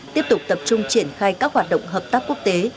tiếp tục tập trung triển khai các hoạt động hợp tác quốc tế